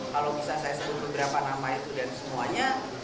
kalau bisa saya sebut beberapa nama itu dan semuanya